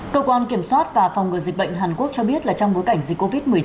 cơ quan kiểm soát và phòng ngừa dịch bệnh hàn quốc cho biết là trong bối cảnh dịch covid một mươi chín